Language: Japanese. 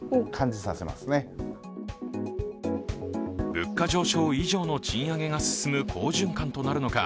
物価上昇以上の賃上げが進む好循環となるのか。